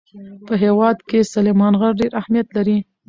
په هېواد کې سلیمان غر ډېر اهمیت لري.